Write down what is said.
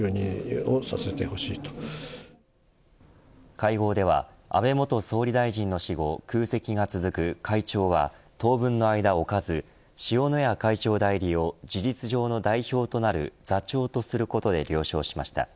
会合では安倍元総理大臣の死後空席が続く会長は当分の間を置かず塩谷会長代理を事実上の代表となる座長とすることで了承しました。